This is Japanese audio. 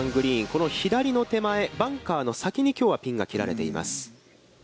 この左の手前、バンカーの先に、きょうはピンが切られています。